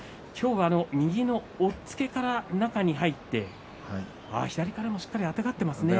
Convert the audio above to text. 右の押っつけから中に入って左からもしっかりあてがっていますね。